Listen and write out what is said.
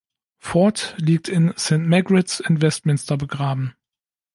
Ford liegt in St Margaret’s in Westminster begraben.